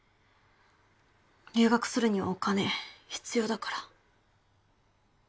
留学するにはお金必要だから。